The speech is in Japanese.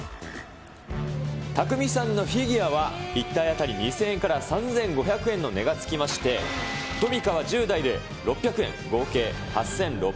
たくみさんのフィギュアは１体当たり２０００円から３５００円の値がつきまして、トミカは１０台で６００円、合計８６００円に。